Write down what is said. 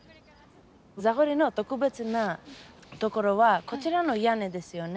ザゴリの特別なところはこちらの屋根ですよね。